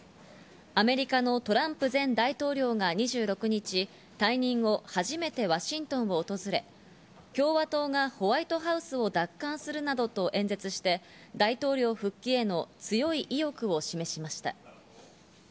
アメリカのトランプ前大統領が２６日、退任後、初めてワシントンを訪れ、共和党がホワイトハウスを奪還するなどと演説して、大統領復帰への強い意欲を示しました。